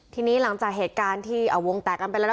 ทีนี้หลังจากเหตุการณ์ที่วงแตกอันเป็นแล้ว